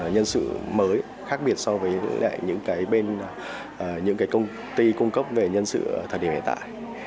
nhân sự mới khác biệt so với những công ty cung cấp về nhân sự thật hiện tại